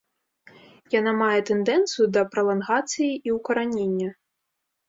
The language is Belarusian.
Яна мае тэндэнцыю да пралангацыі і ўкаранення.